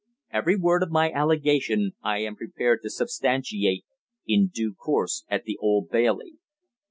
Every word of my allegation I am prepared to substantiate in due course at the Old Bailey."